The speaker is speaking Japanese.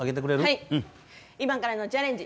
はい今からのチャレンジ